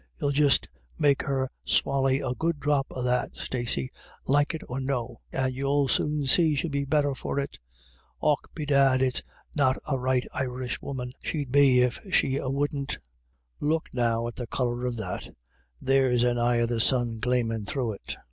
... You'll just make her swally a good dhrop of that, Stacey, like it or no, and you'll soon see she'll be the better for it. Och, bedad, it's not a right Irishwoman she'd be if she a wouldn't. Look, now, at the colour of that ; there's an eye of the sun glamin' through it.